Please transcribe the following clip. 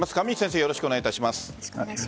よろしくお願いします。